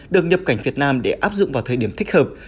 được nhập cảnh việt nam để áp dụng vào thời điểm thích hợp